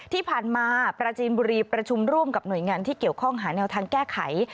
ที่ผ่านมาปราจีนบุรีประชุมร่วมกับหน่วยงานที่เกี่ยวข้องหาแนวทางแก้ไข